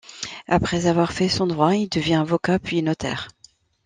Après avoir fait son droit, il devient avocat puis notaire.